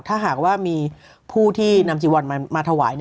ถ้าหากว่ามีผู้ที่นำจีวอนมาถวาย